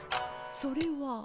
それは？